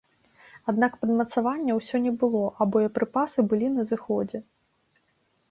Аднак падмацавання ўсё не было, а боепрыпасы былі на зыходзе.